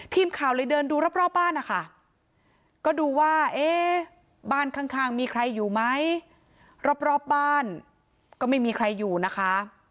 ทีมข่าวเลยเดินดูรอบบ้านนะคะก็ดูว่าเอ๊ะบ้านข้างมีใครอยู่ไหมรอบบ้านก็ไม่มีใครอยู่นะคะ